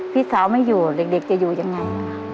พี่สาวไม่อยู่เด็กจะอยู่ยังไง